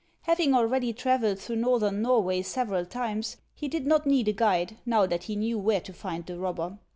Having already travelled through northern Xorway several times, he did not need a guide, now that he knew where to find the robber.